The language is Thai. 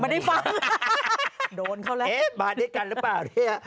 มาด้วยกันรึเปล่า